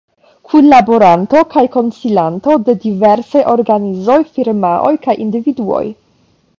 Kunlaboranto kaj konsilanto de diversaj organizoj, firmaoj kaj individuoj.